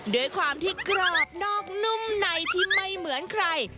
ด้วยความที่กรอบนอกนุ่มในที่ไม่เหมือนใคร